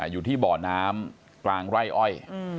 อยู่ที่บ่อน้ำกลางไร่อ้อย